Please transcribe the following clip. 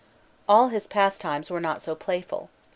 All his pastimes were not so playful.